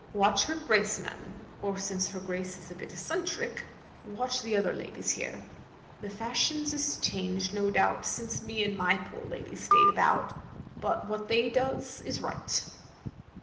Watch her Grace, ma'am; or since her Grace is a bit eccentric, watch the other ladies here. The fashions is changed, no doubt, since me and my poor lady stayed about, but what they does, is right.'